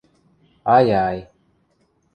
Ай-ай...